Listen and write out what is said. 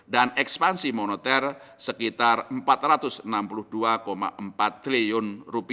dan ekspansi moneter sekitar rp empat ratus enam puluh dua empat triliun